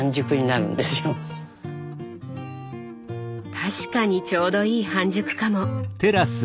確かにちょうどいい半熟かも。